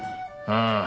ああ。